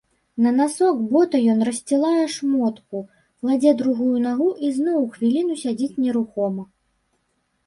На насок бота ён рассцілае шмотку, кладзе другую нагу і зноў хвіліну сядзіць нерухома.